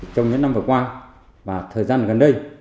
trong những năm vừa qua và thời gian gần đây